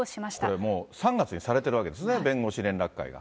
これ、もう３月にされてるわけですね、弁護士連絡会が。